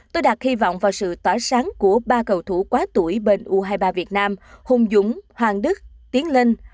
tôi đặt hy vọng vào sự tỏa sáng của ba cầu thủ quá tuổi bên u hai mươi ba việt nam hùng dũng hoàng đức tiến lên